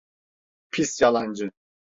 Pis yalancı!